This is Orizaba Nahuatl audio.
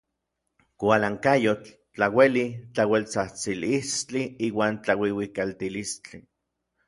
Kualankayotl, tlaueli, tlaueltsajtsilistli iuan tlauijuikaltilistli.